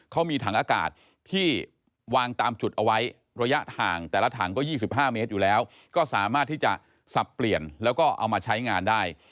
เขามีถังอากาศที่วางตามจุดเอาไว้ระยะทางแต่ละถังก็๒๕เมตรอยู่แล้วก็สามารถที่จะสับเปลี่ยนแล้วก็เอามาใช้งานได้